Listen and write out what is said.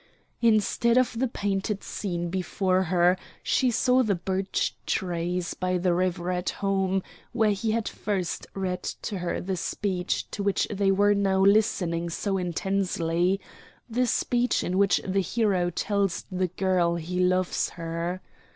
Instead of the painted scene before her, she saw the birch trees by the river at home, where he had first read her the speech to which they were now listening so intensely the speech in which the hero tells the girl he loves her.